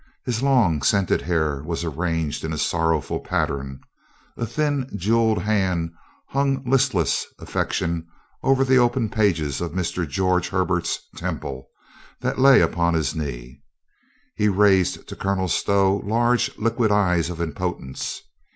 His long scented hair was arranged in a sorrowful pattern, a thin jeweled hand hung in list less affection over the open pages of Mr. George Herbert's Temple that lay upon his knee. He raised to Colonel Stow large liquid eyes of impotence.